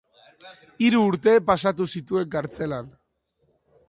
Hiru urte pasatu zituen kartzelan.